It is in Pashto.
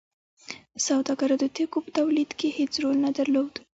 سوداګرو د توکو په تولید کې هیڅ رول نه درلود.